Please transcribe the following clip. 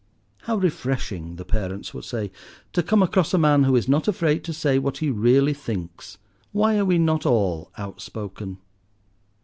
"How refreshing," the parents would say, "to come across a man who is not afraid to say what he really thinks. Why are we not all outspoken?"